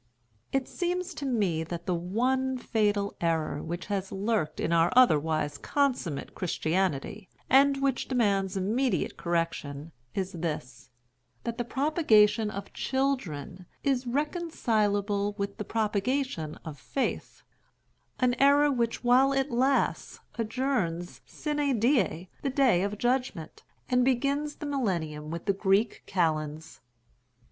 It seems to me that the one fatal error which has lurked in our otherwise consummate Christianity, and which demands immediate correction is this, that the propagation of children is reconcileable with the propagation of the faith—an error which while it lasts adjourns sine die the day of judgment, and begins the Millennium with the Greek Kalends.